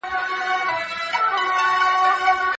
کله یو هېواد په رسمیت پیژندل کیږي؟